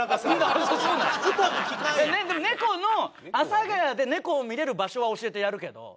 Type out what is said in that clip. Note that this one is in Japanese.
でも猫の「阿佐ヶ谷で猫を見れる場所は教えてやるけど」。